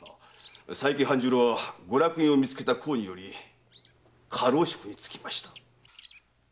佐伯半十郎はご落胤を見つけた功により家老職に就きました。